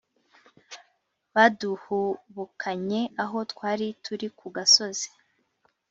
baduhubukanye aho twari turi ku gasozi